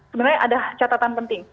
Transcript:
sebenarnya ada catatan penting